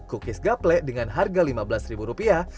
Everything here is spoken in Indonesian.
cookies gaplek dengan harga lima belas ribu rupiah